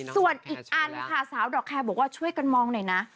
ส่วนอีกอันค่ะสาวดอกแคร์บอกว่าช่วยกันมองหน่อยนะ